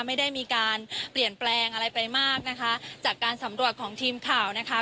ไม่ได้มีการเปลี่ยนแปลงอะไรไปมากนะคะจากการสำรวจของทีมข่าวนะคะ